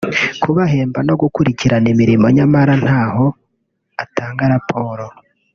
kubahemba no gukurikirana imirimo nyamara ntaho atanga raporo